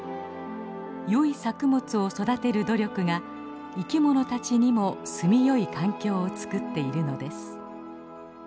よい作物を育てる努力が生きものたちにも住みよい環境をつくっているのです。